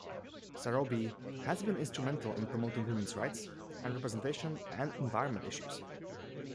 Sarobi has been instrumental in promoting women's rights and representation and environment issues.